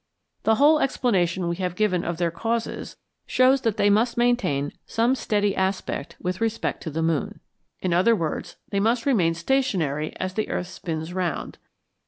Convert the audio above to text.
The whole explanation we have given of their causes shows that they must maintain some steady aspect with respect to the moon in other words, they must remain stationary as the earth spins round.